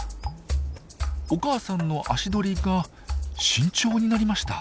お母さんの足取りが慎重になりました。